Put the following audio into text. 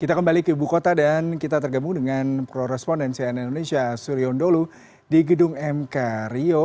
kita kembali ke ibu kota dan kita tergabung dengan pro respondensi nn indonesia surion dulu di gedung mk rio